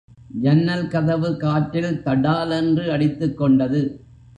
ஜன்னல் கதவு காற்றில் தடாலென்று அடித்துக்கொண்டது.